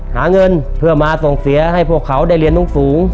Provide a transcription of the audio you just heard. หาเงินเพื่อมาส่งเสียให้พวกเขาได้เรียนสูง